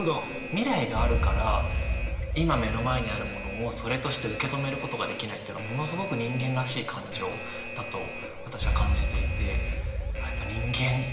未来があるから今目の前にあるものをそれとして受け止めることができないっていうのものすごく人間らしい感情だと私は感じていて。